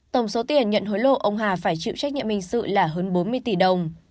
tổng số tiền nhận hối lộ ông hà phải chịu trách nhiệm hình sự là hơn bốn mươi tỷ đồng